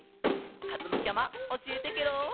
かずむちゃまおしえてケロ。